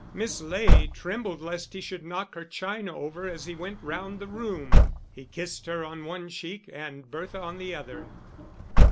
Miss Ley trembled lest he should knock her china over as he went round the room. He kissed her on one cheek, and Bertha on the other.